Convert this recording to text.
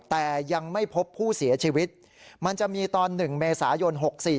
แต่ยังไม่พบผู้เสียชีวิตมันจะมีตอน๑เมษายน๖๔